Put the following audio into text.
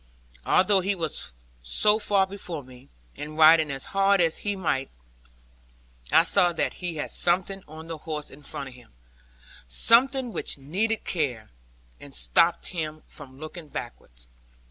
Although he was so far before me, and riding as hard as ride he might, I saw that he had something on the horse in front of him; something which needed care, and stopped him from looking backward.